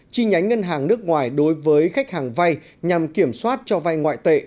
chi nhánh ngân hàng nước ngoài đối với khách hàng vai nhằm kiểm soát cho vai ngoại tệ